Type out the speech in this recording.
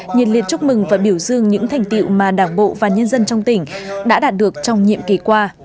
nhiệt liệt chúc mừng và biểu dương những thành tiệu mà đảng bộ và nhân dân trong tỉnh đã đạt được trong nhiệm kỳ qua